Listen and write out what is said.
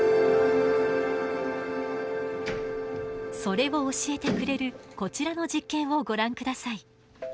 それを教えてくれるこちらの実験をご覧ください。